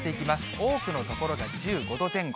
多くの所では１５度前後。